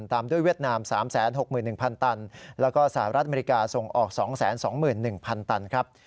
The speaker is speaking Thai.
ตามด้วยเวียดนาม๓๖๑๐๐ตันแล้วก็สหรัฐอเมริกาส่งออก๒๒๑๐๐๐ตันครับ